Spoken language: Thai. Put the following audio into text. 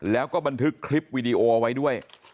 แล้วก็บันทึกคลิปวีดีโอเอาไว้ด้วย